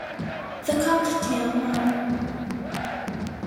The Cocktail Bar.